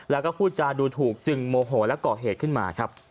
แล้วก็พูดจาดูถูกจึงโมโหและก่อเหตุขึ้นมาครับ